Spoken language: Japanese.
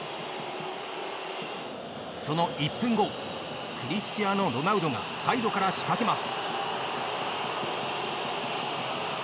その１分後クリスチアーノロナウドがサイドから仕掛けます。